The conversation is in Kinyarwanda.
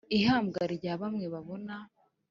ihambwa rya bamwe babona,